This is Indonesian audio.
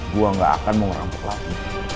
gue gak akan mau merampok lagi